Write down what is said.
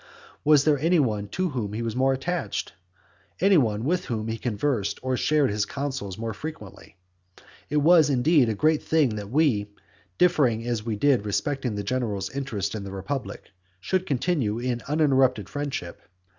Was there any one to whom he was more attached? any one with whom he conversed or shared his counsels more frequently? It was, indeed, a great thing that we, differing as we did respecting the general interests of the republic, should continue in uninterrupted friendship.